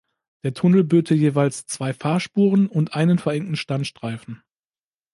Der Tunnel böte jeweils zwei Fahrspuren und einen verengten Standstreifen.